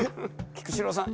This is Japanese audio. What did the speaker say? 菊紫郎さん